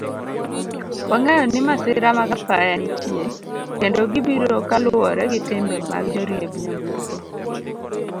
Wangeyo ni masira mag apaya nitie kendo gibiro kaluwore gi timbe mag joriemb nyamburko.